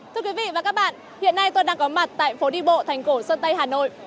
thưa quý vị và các bạn hiện nay tôi đang có mặt tại phố đi bộ thành cổ sơn tây hà nội